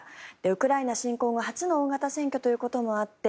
ウクライナ侵攻後初の大型選挙ということもあって